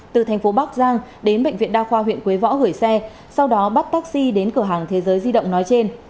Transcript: từ thành phố bắc giang đến bệnh viện đa khoa huyện quế võ gửi xe sau đó bắt taxi đến cửa hàng thế giới di động nói trên